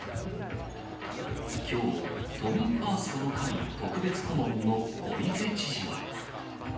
きょう、都民ファーストの会特別顧問の小池知事は。